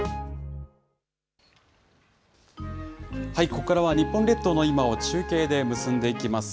ここからは、日本列島の今を中継で結んでいきます。